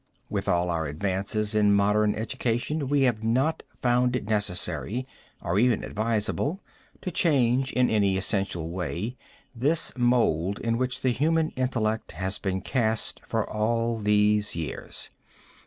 With all our advances in modern education we have not found it necessary, or even advisable, to change, in any essential way, this mold in which the human intellect has been cast for all these years.